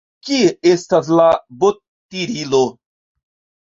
Kie estas la bottirilo?